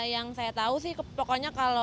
yang saya tahu sih pokoknya kalau